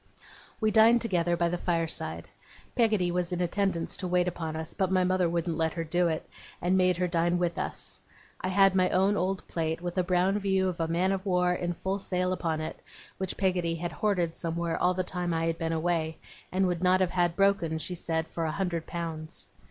We dined together by the fireside. Peggotty was in attendance to wait upon us, but my mother wouldn't let her do it, and made her dine with us. I had my own old plate, with a brown view of a man of war in full sail upon it, which Peggotty had hoarded somewhere all the time I had been away, and would not have had broken, she said, for a hundred pounds.